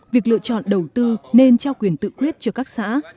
việc lựa chọn đầu tư nên trao quyền tự quyết cho các xã